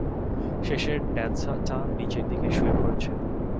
শেষের ড্যান্সারটা, নিচের দিকে শুয়ে পড়েছে।